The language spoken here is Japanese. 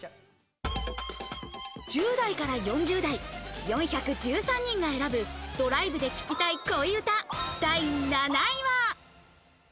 １０代から４０代、４１３人が選ぶ、ドライブで聴きたい恋うた、第７位は？